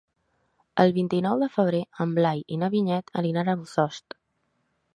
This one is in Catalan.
El vint-i-nou de febrer en Blai i na Vinyet aniran a Bossòst.